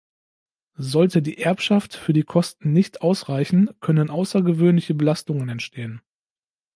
Sollte die Erbschaft für die Kosten nicht ausreichen, können außergewöhnliche Belastungen entstehen.